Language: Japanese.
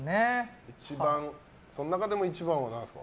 その中でも一番は何ですか？